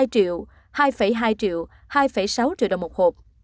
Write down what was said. hai triệu hai hai triệu hai sáu triệu đồng một hộp